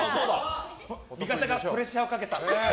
味方がプレッシャーをかけた。